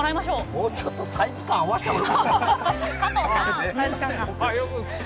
もうちょっとサイズ感を合わせた方が。